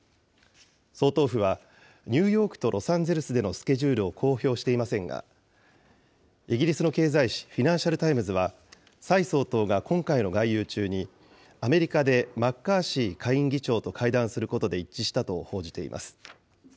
総統府は、ニューヨークとロサンゼルスでのスケジュールを公表していませんが、イギリスの経済紙、フィナンシャル・タイムズは、蔡総統が今回の外遊中にアメリカでマッカーシー下院議長と会談することで一致したと報じています。